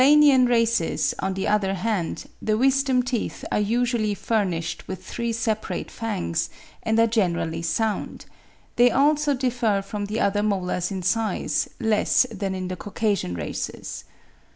In the Melanian races, on the other hand, the wisdom teeth are usually furnished with three separate fangs, and are generally sound; they also differ from the other molars in size, less than in the Caucasian races.